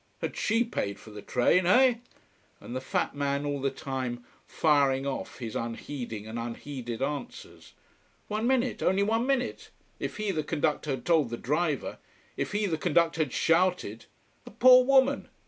Had she paid for the train heh? And the fat man all the time firing off his unheeding and unheeded answers. One minute only one minute if he, the conductor had told the driver! if he, the conductor, had shouted! A poor woman!